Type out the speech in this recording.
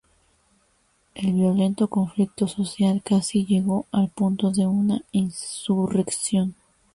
El violento conflicto social casi llegó al punto de una insurrección.